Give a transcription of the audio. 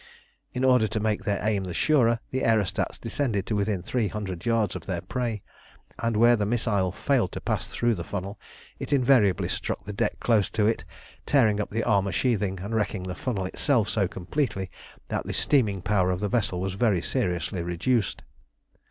In order to make their aim the surer, the aerostats descended to within three hundred yards of their prey, and where the missile failed to pass through the funnel it invariably struck the deck close to it, tearing up the armour sheathing, and wrecking the funnel itself so completely that the steaming power of the vessel was very seriously reduced.